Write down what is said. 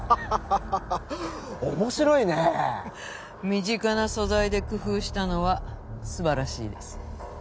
身近な素材で工夫したのは素晴らしいです。